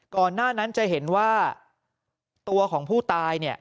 ก่อนหน้านั้นจะเห็นว่าตัวของผู้ตายเนี่ย